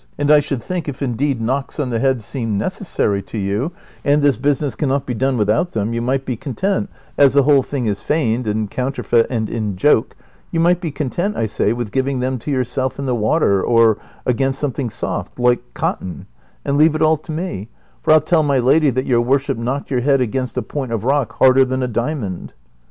and I should think, if indeed knocks on the head seem necessary to you, and this business can not be done without them, you might be content — as the whole thing is feigned, and counter feit, and in joke — you might be content, I say, with giving them to yourself in the water, or against something soft, like cotton ; and leave it all to me ; for I '11 tell my lady that your worship knocked your head against a point of rock harder than a diamond."